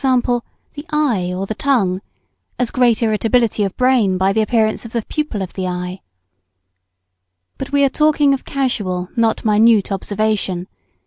_, the eye or the tongue, as great irritability of brain by the appearance of the pupil of the eye. But we are talking of casual, not minute, observation.